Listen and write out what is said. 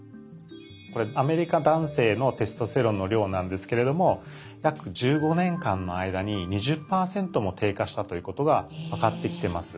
これアメリカ男性のテストステロンの量なんですけれども約１５年間の間に２０％も低下したということが分かってきてます。